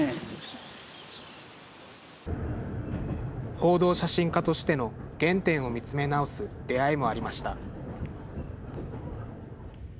報道写真家としての原点を見つめ直す出会いもありました。